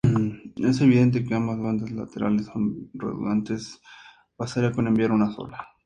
Es evidente que ambas bandas laterales son redundantes, bastaría con enviar una sola.